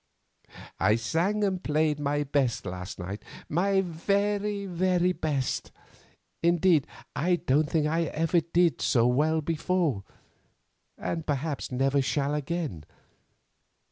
... "I sang and played my best last night, my very, very best; indeed, I don't think I ever did so well before, and perhaps never shall again.